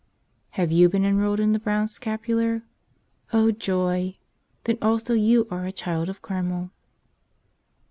Have you been enrolled in the Brown Scapular? Oh joy! Then also you are a child of Carmel.